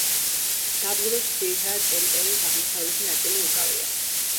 დაბლობებს ძირითადად ტერიტორიის აღმოსავლეთი ნაწილი უკავია.